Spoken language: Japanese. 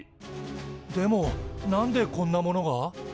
でも何でこんなものが？